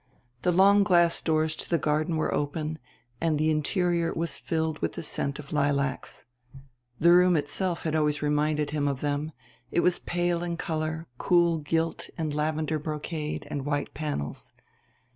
The long glass doors to the garden were open, and the interior was filled with the scent of lilacs. The room itself had always reminded him of them it was pale in color, cool gilt and lavender brocade and white panels.